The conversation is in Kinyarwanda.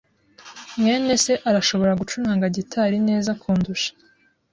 mwene se arashobora gucuranga gitari neza kundusha.